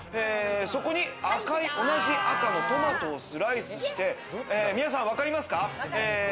そこに赤い、同じ赤のトマトをスライスして、皆さん、わかりますか？